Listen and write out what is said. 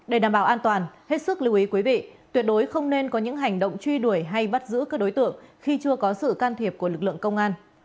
để đảm bảo an toàn hết sức lưu ý quý vị tuyệt đối không nên có những hành động truy đuổi hay bắt giữ các đối tượng khi chưa có sự can thiệp của lực lượng công an